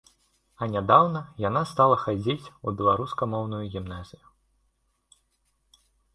А нядаўна яна стала хадзіць у беларускамоўную гімназію.